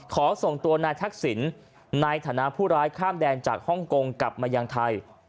ขอส่งตัวนายทักษิณในฐานะผู้ร้ายข้ามแดนจากฮ่องกงกลับมายังไทย